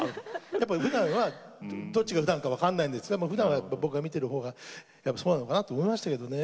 やっぱふだんはどっちがふだんか分かんないんですがふだんは僕が見てるほうがやっぱそうなのかなと思いましたけどね。